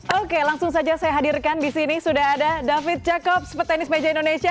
oke langsung saja saya hadirkan disini sudah ada david jacob sepetenis meja indonesia